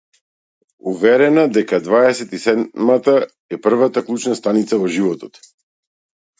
Уверена дека дваесет и седмата е првата клучна станица во животот.